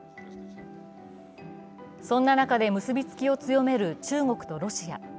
そんな中で結びつきを強める中国とロシア。